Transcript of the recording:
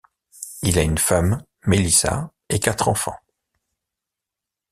Il a une femme, Melissa et quatre enfants.